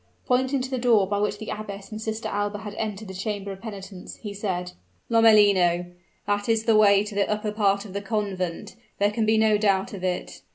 Pointing to the door by which the abbess and Sister Alba had entered the chamber of penitence, he said, "Lomellino, that is the way to the upper part of the convent there can be no doubt of it!